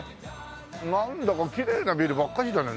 なんだかきれいなビルばっかしだね。